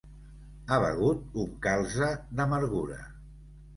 Ha begut un calze d'amargura.